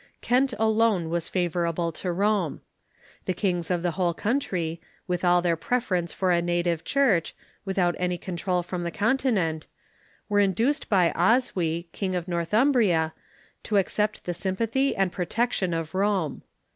Kent alone was favorable to Rome. The kings of the whole coun try, with all their preference for a native Church, without any control from the Continent, were induced by Osw}% Kiig of Northumbria, to accept the sympathy and protection of Rome.